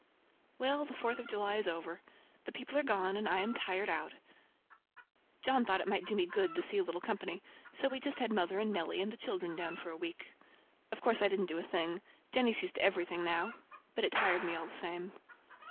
Well, the Fourth of July is over! The people are gone and I am tired out. John thought it might do me good to see a little company, so we just had mother and Nellie and the children down for a week. Of course I didn't do a thing. Jennie sees to everything now. But it tired me all the same.